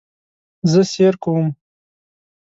زه سیر کوم